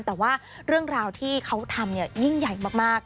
แต่ว่าเรื่องราวที่เขาทำยิ่งใหญ่มาก